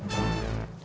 itu tiga stans sama mita